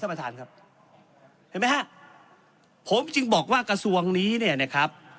ประธานครับเห็นไหมฮะผมจึงบอกว่ากระทรวงนี้เนี่ยนะครับ